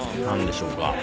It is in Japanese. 何でしょうか？